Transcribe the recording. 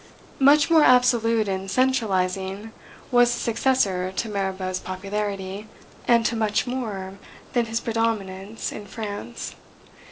Much more absolute and centralizing was the successor to Mirabeau's popularity, and to much more than his predominance in France.